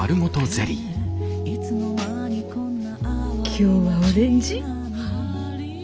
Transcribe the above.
今日はオレンジ。